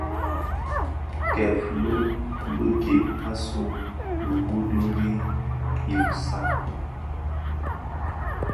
Kè filo bè gib a su wuduri i bisal.